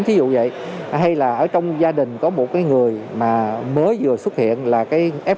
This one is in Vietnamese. thí dụ vậy hay là ở trong gia đình có một người mới vừa xuất hiện là f